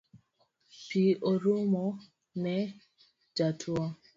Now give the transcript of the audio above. Pi orumo ne jatuo